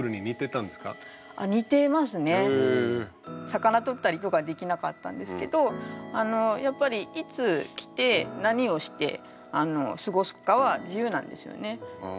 魚とったりとかできなかったんですけどあのやっぱりいつ来て何をしてあの過ごすかは自由なんですよね。